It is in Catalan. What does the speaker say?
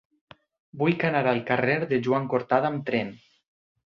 Vull anar al carrer de Joan Cortada amb tren.